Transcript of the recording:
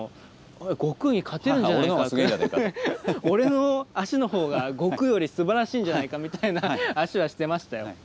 俺の脚の方が悟空よりすばらしいんじゃないかみたいな脚はしてましたよ。